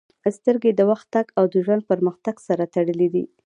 • سترګې د وخت تګ او د ژوند پرمختګ سره تړلې دي.